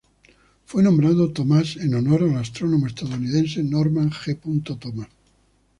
Fue nombrado Thomas en honor al astrónomo estadounidense Norman G. Thomas.